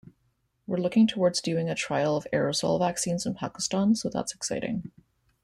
We're looking towards doing a trial of aerosol vaccines in Pakistan, so that's exciting.